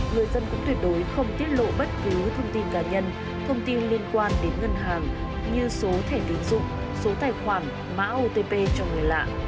người dân cũng tuyệt đối không tiết lộ bất cứ thông tin cá nhân thông tin liên quan đến ngân hàng như số thẻ tín dụng số tài khoản mã otp cho người lạ